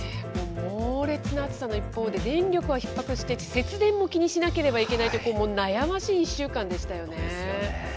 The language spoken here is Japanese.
猛烈な暑さの一方で、電力はひっ迫して、節電も気にしなくてはいけないと、悩ましい一週間でしたよね。ですよね。